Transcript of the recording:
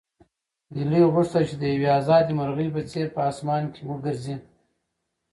هیلې غوښتل چې د یوې ازادې مرغۍ په څېر په اسمان کې وګرځي.